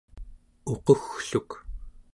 uquggluk